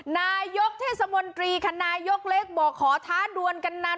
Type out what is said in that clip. นายกเทศมนตรีคณะยกเล็กบอกขอท้าดวนกันนาน